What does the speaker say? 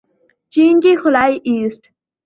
چین کے خلائی اسٹ